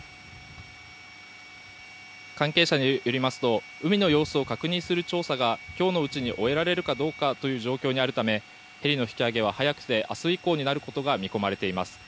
関係者によりますと海の様子を確認する調査が今日のうちに終えられるかどうかという状況にあるためヘリの引き揚げは早くて明日以降になることが見込まれます。